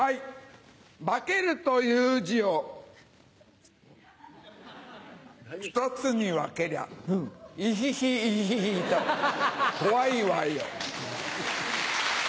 化けるという字を２つに分けりゃイヒヒイヒヒと怖いわよ。